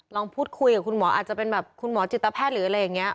ลองพูดคุยกับคุณหมออาจจะเป็นคุณหมอจิตแพทย์